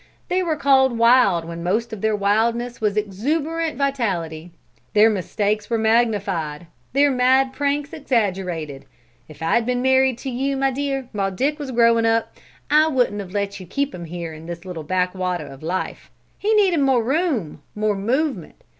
They were called wild when most of their wildness was exuberant vitality; their mistakes were magnified, their mad pranks exaggerated. If I'd been married to you, my dear, while Dick was growing up, I wouldn't have let you keep him here in this little backwater of life; he needed more room, more movement.